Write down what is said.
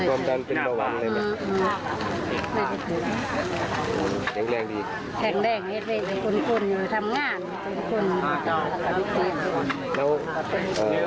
เรากลัวเขาว่าเขาความเป็นผู้หญิงสิ่งที่ไม่มาย